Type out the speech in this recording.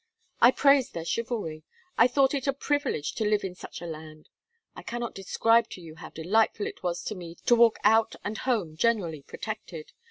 I praised their chivalry. I thought it a privilege to live in such a land. I cannot describe to you how delightful it was to me to walk out and home generally protected.